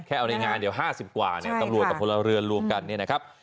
แค่เอาในงานเดี๋ยว๕๐กว่าเนี่ยตำรวจกับพลเรือนรวมกันเนี่ยนะครับ